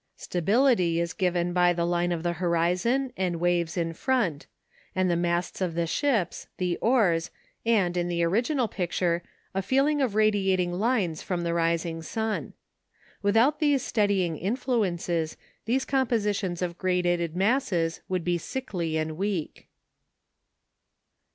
Stability is given by the line of the horizon and waves in front, and the masts of the ships, the oars, and, in the original picture, a feeling of radiating lines from the rising sun. Without these steadying influences these compositions of gradated masses would be sickly and weak.